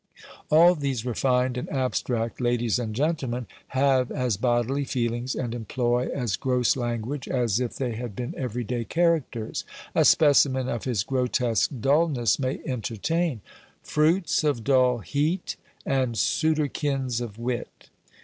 All these refined and abstract ladies and gentlemen have as bodily feelings, and employ as gross language, as if they had been every day characters. A specimen of his grotesque dulness may entertain: Fruits of dull heat, and sooterkins of wit.